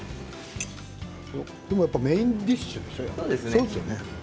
これはメインディッシュでしょう？